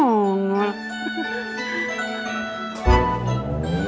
omadil odi lo yang no